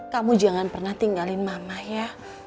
kamu jangan pernah tinggalin mama ya